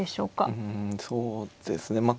うんそうですね